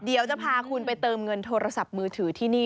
เดี๋ยวจะพาคุณไปเติมเงินโทรศัพท์มือถือที่นี่